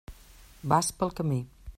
Vas pel camí.